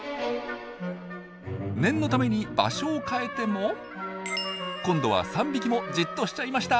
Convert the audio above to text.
念のために場所を変えても今度は３匹もじっとしちゃいました！